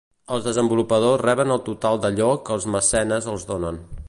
Els desenvolupadors reben el total d'allò que els mecenes els donen.